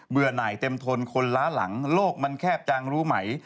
หน่ายเต็มทนคนล้าหลังโลกมันแคบจางรู้ไหม